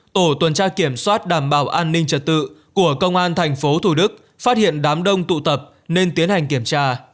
tổ tuần tra kiểm soát đảm bảo an ninh trật tự của công an tp thủ đức phát hiện đám đông tụ tập nên tiến hành kiểm tra